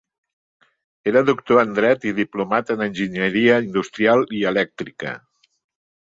Era doctor en dret i diplomat en enginyeria industrial i elèctrica.